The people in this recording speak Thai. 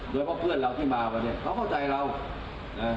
โดยเพราะเพื่อนเราที่มากันเนี่ยเขาเข้าใจเรานะ